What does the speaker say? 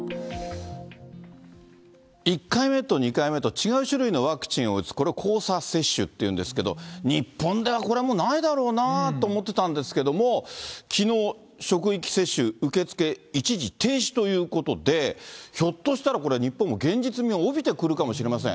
１回目と２回目と違う種類のワクチンを打つ、これを交差接種っていうんですけれども、日本ではこれはもうないだろうなと思ってたんですけども、きのう、職域接種受け付け一時停止ということで、ひょっとしたらこれ、日本も現実味を帯びてくるかもしれません。